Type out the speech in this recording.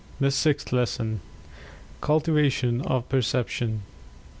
THE SIXTH LESSON. CULTIVATION OF PERCEPTION.